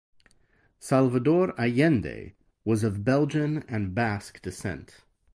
Salvador Allende was of Belgian and Basque descent.